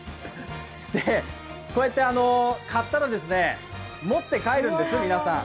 こうやって買ったら、持って帰るんです、皆さん。